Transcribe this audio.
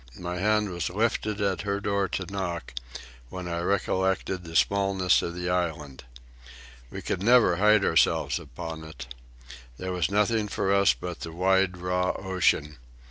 My hand was lifted at her door to knock, when I recollected the smallness of the island. We could never hide ourselves upon it. There was nothing for us but the wide raw ocean.